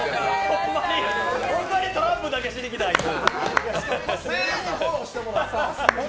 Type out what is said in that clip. ホンマにトランプだけしに来た、あいつ。